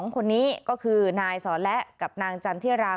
คนนี้ก็คือนายสอนและกับนางจันทิรา